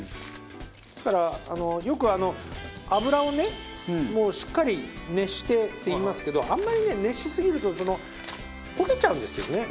ですからよくあの油をねもうしっかり熱してって言いますけどあんまりね熱しすぎると焦げちゃうんですよね。